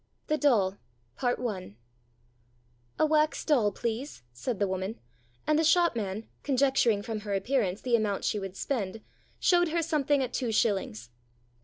THE DOLL I " A WAX doll, please," said the woman, and the shop man, conjecturing from her appearance the amount she would spend, showed her something at two shillings.